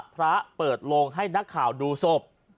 พระเปิดโลงให้นักข่าวดูศพ